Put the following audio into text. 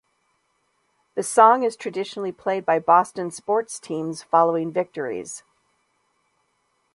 The song is traditionally played by Boston sports teams following victories.